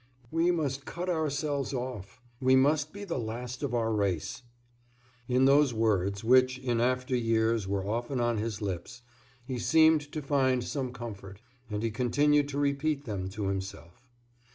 "We must cut ourselves off; we must be the last of our race." In those words, which in after years were often on his lips, he seemed to find some comfort, and he continued to repeat them to himself.